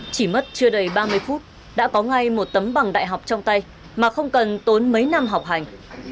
chỉ mất chưa đầy ba mươi phút đã có ngay một tấm bằng đại học trong tay mà không cần tốn mấy năm học hành